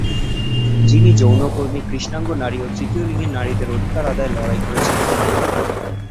যিনি যৌনকর্মী, কৃষ্ণাঙ্গ নারী ও তৃতীয় লিঙ্গের নারীদের অধিকার আদায়ে লড়াই করেছেন।